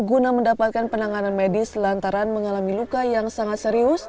guna mendapatkan penanganan medis lantaran mengalami luka yang sangat serius